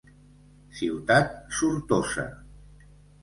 Ciutat sortosa!